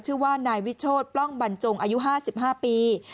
ชื่อว่านายวิโชธปล้องบรรจงอายุ๕๕ปี